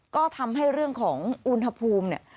ก็ทำให้เรื่องของอุณหภูมิเนี่ย